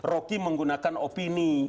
roky menggunakan opini